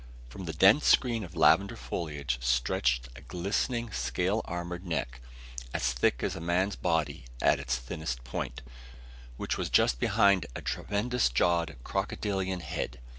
From the dense screen of lavender foliage stretched a glistening, scale armored neck, as thick as a man's body at its thinnest point, which was just behind a tremendous jawed crocodilian head.